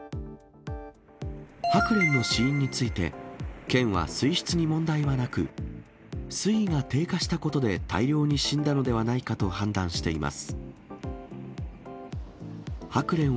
ハクレンの死因について、県は水質に問題はなく、水位が低下したことで大量に死んだのではないかと判断しています。